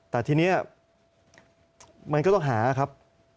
แต่ทีนี้มันก็ต้องหาครับ